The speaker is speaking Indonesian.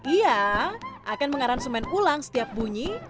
iya akan mengaransumen ulang setiap bunyi